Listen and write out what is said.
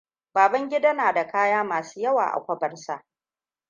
Babangida na da kaya masu yawa a kwabar sa.